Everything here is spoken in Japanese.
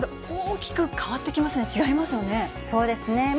大きく変わってきますね、そうですね。